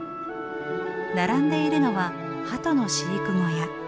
並んでいるのはハトの飼育小屋。